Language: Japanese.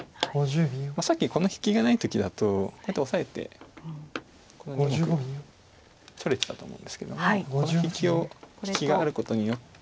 さっきこの引きがない時だとオサえてこの２目取れちゃうと思うんですけどもこの引きがあることによって。